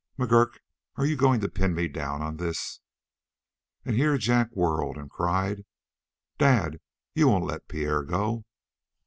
"McGurk, are you going to pin me down in this?" And here Jack whirled and cried: "Dad, you won't let Pierre go!"